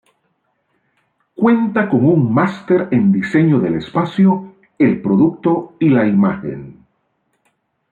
Cuenta con un Master en Diseño del Espacio, El Producto y la Imagen.